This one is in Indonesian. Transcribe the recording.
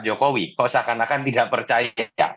jokowi kok seakan akan tidak percaya